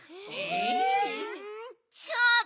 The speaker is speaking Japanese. えっ？